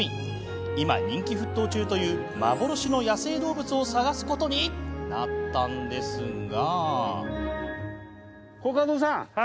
今、人気沸騰中という幻の野生動物を探すことになったんですが。